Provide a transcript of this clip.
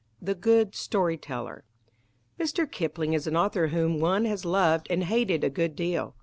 THE GOOD STORY TELLER Mr. Kipling is an author whom one has loved and hated a good deal.